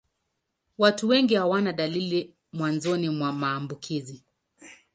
Watu wengi hawana dalili mwanzoni mwa maambukizi.